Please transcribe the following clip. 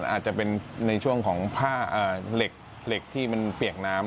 อาจจะเป็นในช่วงของผ้าเหล็กที่มันเปียกน้ำ